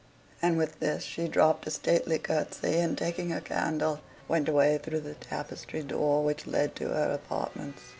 And with this she dropped a stately curtsy, and, taking her candle, went away through the tapestry door, which led to her apartments.